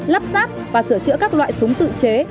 lắp sáp và sửa chữa các loại súng tự chế